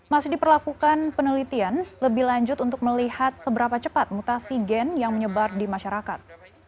masih diperlakukan penelitian lebih lanjut untuk melihat seberapa cepat mutasi gen yang menyebar di masyarakat